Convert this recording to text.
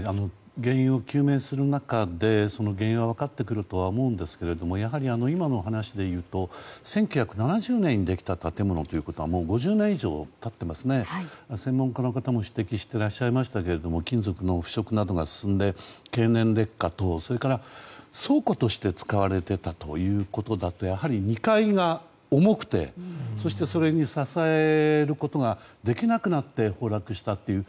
原因を究明する中でその原因が分かってくるとは思うんですがやはり今の話だと１９７０年に建てられたということはもう５０年以上経っていますね専門家の方も指摘してらっしゃいましたが金属の腐食が進んでの経年劣化と倉庫として使われていたということでやはり２階が重くてそして、それが支えることができなくなって崩落したという。